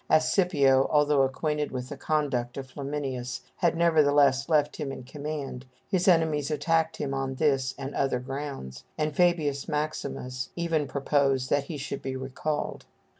As Scipio, although acquainted with the conduct of Flaminius, had nevertheless left him in command, his enemies attacked him on this and other grounds, and Fabius Maximus even proposed that he should be recalled.